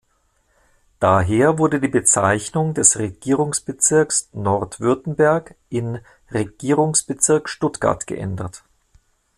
Daher wurde die Bezeichnung des Regierungsbezirks Nordwürttemberg in Regierungsbezirk Stuttgart geändert.